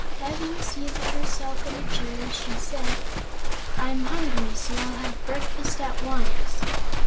Having seated herself in a chair, she said: "I'm hungry; so I'll have breakfast at once."